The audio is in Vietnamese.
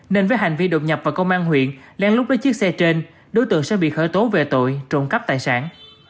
nên với hành vi đột nhập vào công an huyện lén lúc lấy chiếc xe trên đối tượng sẽ bị khởi tố về tội trộm cắp tài sản